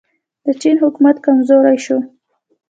د چین حکومت کمزوری شو.